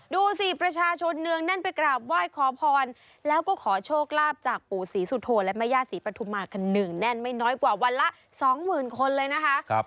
ดูสิประชาชนเนืองแน่นไปกราบไหว้ขอพรแล้วก็ขอโชคลาภจากปู่ศรีสุโธและแม่ย่าศรีปฐุมากันหนึ่งแน่นไม่น้อยกว่าวันละสองหมื่นคนเลยนะคะ